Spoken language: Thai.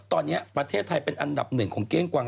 ตอนนี้ประเทศไทยเป็นอันดับหนึ่งของเก้งกวาง